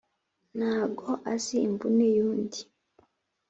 Ntago azi imvune yundi